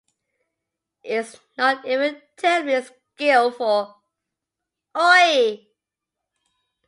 It's not even terribly skillful.